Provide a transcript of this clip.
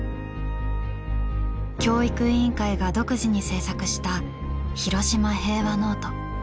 教育委員会が独自に製作したひろしま平和ノート。